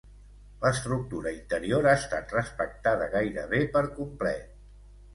L'estructura interior ha estat respectada gairebé per complet.